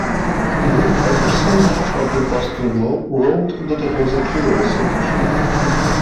Britt Peterson of the "Boston Globe" wrote that it was a "curious addition".